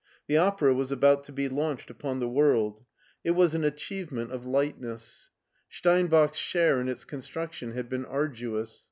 The opera was about to be launched upon the world. It was an achieve X59 i6o MARTIN SCHULER ment of lightness. Steinbach's share in its construc tion had been arduous.